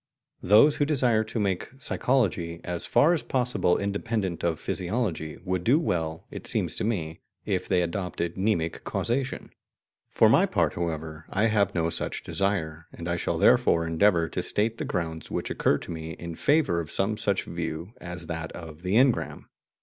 Those who desire to make psychology as far as possible independent of physiology would do well, it seems to me, if they adopted mnemic causation. For my part, however, I have no such desire, and I shall therefore endeavour to state the grounds which occur to me in favour of some such view as that of the "engram."